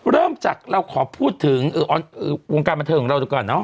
เริ่มจากเราขอพูดถึงวงการบันเทิงของเราดูก่อนเนาะ